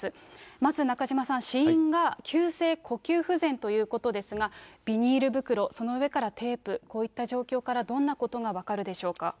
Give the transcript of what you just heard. まず中島さん、死因が急性呼吸不全ということですが、ビニール袋、その上からテープ、こういった状況からどんなことがわかるでしょうか。